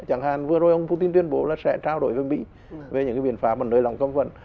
chẳng hạn vừa rồi ông putin tuyên bố là sẽ trao đổi với mỹ về những cái biện pháp bằng nơi lòng cấm phần